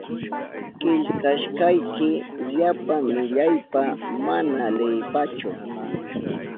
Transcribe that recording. Killkashkayki yapa millaypa mana leyipachu.